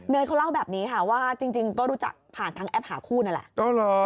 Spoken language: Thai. เขาเล่าแบบนี้ค่ะว่าจริงก็รู้จักผ่านทางแอปหาคู่นั่นแหละ